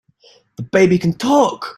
The baby can TALK!